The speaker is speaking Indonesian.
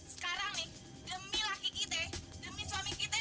sekarang nih demi laki kita demi suami kita